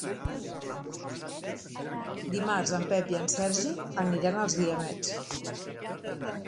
Dimarts en Pep i en Sergi aniran als Guiamets.